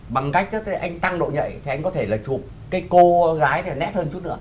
bằng cách anh tăng độ nhạy thì anh có thể là chụp cái cô gái này nét hơn chút nữa